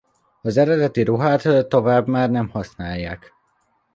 Az eredeti ruhát tovább már nem használják.